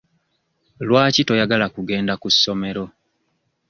Lwaki toyagala kugenda ku ssomero?